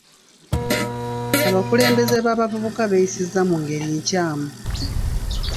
Abakulembeze b'abavubuka beeyisizza mu ngeri nkyamu.